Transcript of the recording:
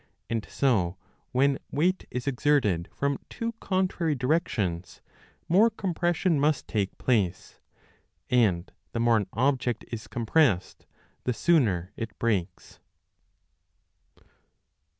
645 8 L 854 1 MECHANICA and so, when weight is exerted from two contrary directions, more compression must take place, and the more an object 15 is compressed, the sooner it breaks.